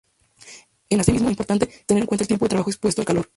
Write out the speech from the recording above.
Es asimismo importante, tener en cuenta el tiempo de trabajo expuesto al calor.